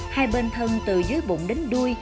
hai bên thân từ dưới bụng đến đuôi